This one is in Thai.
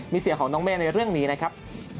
มิเศษของน้องเมย์ในเรื่องนี้นะครับ